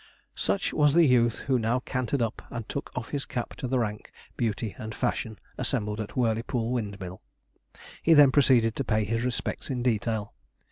Such was the youth who now cantered up and took off his cap to the rank, beauty, and fashion, assembled at Whirleypool Windmill. He then proceeded to pay his respects in detail.